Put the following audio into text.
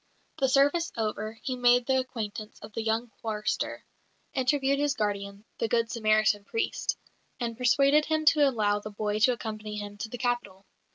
The service over, he made the acquaintance of the young chorister, interviewed his guardian, the "good Samaritan" priest, and persuaded him to allow the boy to accompany him to the capital.